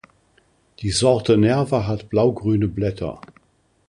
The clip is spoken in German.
Die Sorte 'Nerva' hat blaugrüne Blätter.